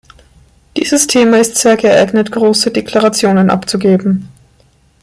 Dieses Thema ist sehr geeignet, große Deklarationen abzugeben.